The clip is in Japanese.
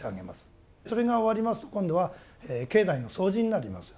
それが終わりますと今度は境内の掃除になります。